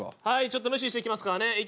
はいちょっと無視していきますからね。